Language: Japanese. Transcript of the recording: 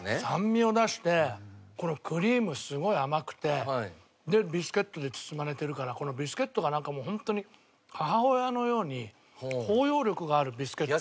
酸味を出してこのクリームすごい甘くてビスケットで包まれてるからこのビスケットがなんかもう本当に母親のように包容力があるビスケット。